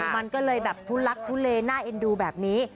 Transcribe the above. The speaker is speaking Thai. มันก็เลยแบบทุลักทุเลน่าเอ็นดูแบบนี้